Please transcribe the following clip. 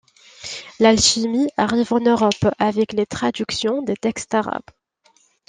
L'alchimie arrive en Europe avec les traductions des textes arabes.